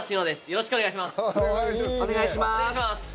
よろしくお願いします